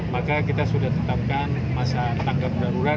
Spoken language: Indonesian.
maka kita sudah tetapkan masa tangkap darurat